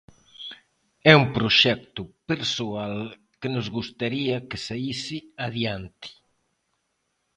É un proxecto persoal que nos gustaría que saíse adiante.